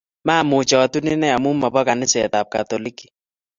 mamuch atun inee amu mobo kanisetab katoliki